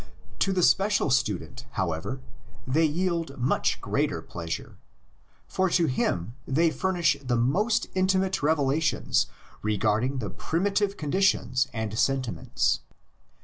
To the special student, however, they yield much greater pleasure, for to him they furnish the most intimate revelations regarding primitive conditions and sentiments.